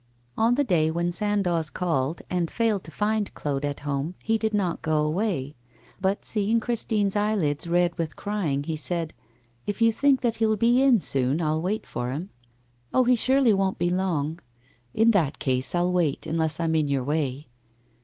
On the day when Sandoz called, and failed to find Claude at home, he did not go away; but, seeing Christine's eyelids red with crying, he said: 'If you think that he'll be in soon, I'll wait for him.' 'Oh! he surely won't be long.' 'In that case I'll wait, unless I am in your way.